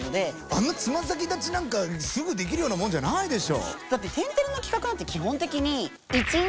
あんなつま先立ちなんかすぐできるようなもんじゃないでしょ。